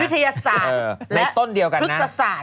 อันนี้วิทยาศาสตร์และภึกษศาสตร์